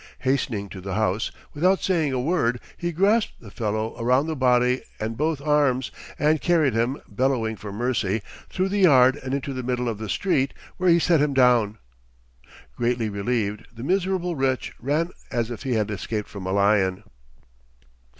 Hastening to the house, without saying a word he grasped the fellow around body and both arms, and carried him, bellowing for mercy, through the yard and into the middle of the street, where he set him down. Greatly relieved, the miserable wretch ran as if he had escaped from a lion."